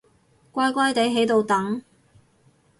乖乖哋喺度等